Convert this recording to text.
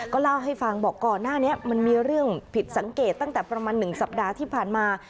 ก็เล่าให้ฟังบอกก่อนหน้านี้มันมีเรื่องผิดสังเกตตั้งแต่ประมาณ๑สัปดาห์ที่ผ่านมา